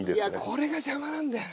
これが邪魔なんだよな。